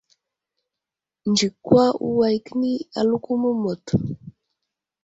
Nzikwa uway kəni aləko məmut.